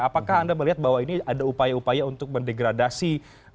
apakah anda melihat bahwa ini ada upaya upaya untuk mendegradasi